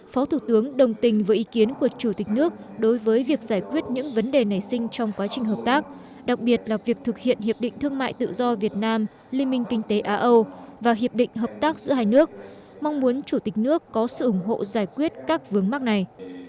phó thủ tướng đồng tình với ý kiến của chủ tịch nước đối với việc giải quyết những vấn đề nảy sinh trong quá trình hợp tác đặc biệt là việc thực hiện hiệp định thương mại tự do việt nam liên minh kinh tế á âu và hiệp định hợp tác giữa hai nước mong muốn chủ tịch nước có sự ủng hộ giải quyết các vướng mắc này